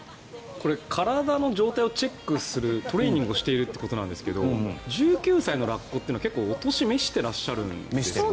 これ、体の状態をチェックするトレーニングをしているということなんですが１９歳のラッコというのは結構、お年を召してらっしゃるんですよね。